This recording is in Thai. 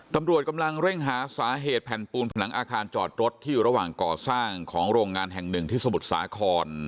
ตำรวจกำลังเร่งหาสาเหตุแผ่นปูนผนังอาคารจอดรถที่อยู่ระหว่างก่อสร้างของโรงงานแห่งหนึ่งที่สมุทรสาคร